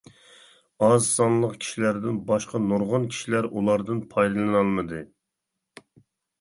ئاز سانلىق كىشىلەردىن باشقا نۇرغۇن كىشىلەر ئۇلاردىن پايدىلىنالمىدى.